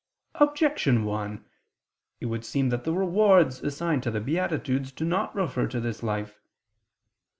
Objection 1: It would seem that the rewards assigned to the beatitudes do not refer to this life.